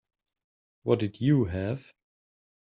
What did you have?